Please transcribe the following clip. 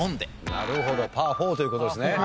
なるほどパー４という事ですね。